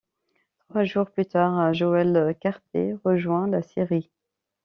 Trois jours plus tard, Joelle Carter rejoint la série.